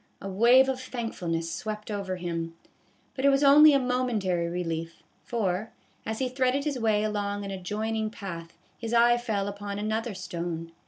A wave of thankfulness swept over him ; but it was only a momentary relief, for, as he threaded his way along an adjoining path, his eye fell upon another stone.